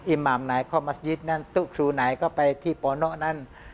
อิมามไหนข้อมัสยิตนั้นตู้ครูไหนก็ไปที่ประโนะนั้น